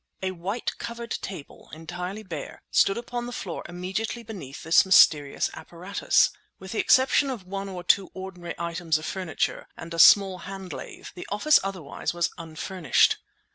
A white covered table, entirely bare, stood upon the floor immediately beneath this mysterious apparatus. With the exception of one or two ordinary items of furniture and a small hand lathe, the office otherwise was unfurnished.